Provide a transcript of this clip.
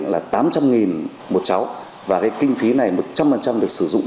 tám trăm linh đồng một cháu và kinh phí này một trăm linh được sử dụng